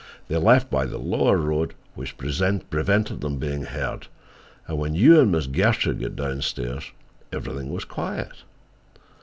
They left by the lower road, which prevented them being heard, and when you and Miss Gertrude got down stairs everything was quiet."